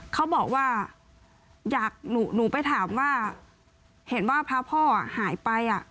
เขาบอกว่าอยากหนูไปถามว่าเห็นว่าพาพ่อหายไป